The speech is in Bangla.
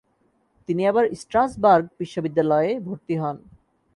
তিনি আবার স্ট্রাসবার্গ বিশ্ববিদ্যাললয়ে ভর্তি হন।